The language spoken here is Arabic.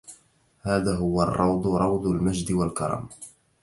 هذا هو الروض روض المجد والكرم